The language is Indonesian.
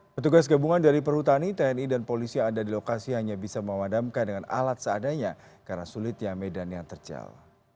petugas gabungan dari perhutani tni dan polisi yang ada di lokasi hanya bisa memadamkan dengan alat seadanya karena sulitnya medan yang terjal